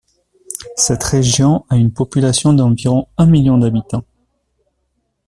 Cette région a une population d'environ un million d'habitants.